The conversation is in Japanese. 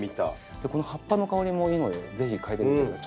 でこの葉っぱの香りもいいのでぜひ嗅いでみてください。